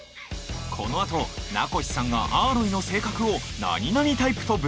このあと名越さんがアーロイの性格を「なになにタイプ」と分析！